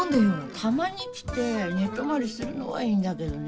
たまに来て寝泊まりするのはいいんだけどね。